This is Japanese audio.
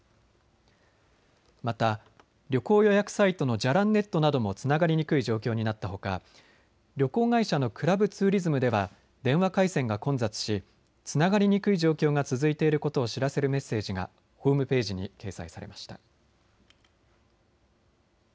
また旅行予約サイトのじゃらんｎｅｔなどもつながりにくい状況になったほか、旅行会社のクラブツーリズムでは電話回線が混雑しつながりにくい状況が続いていることを知らせるメッセージがホームページに掲載されました。